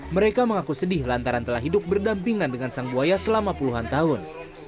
mereka mengaku sedih lantaran telah hidup berdampingan dengan sang buaya selama puluhan tahun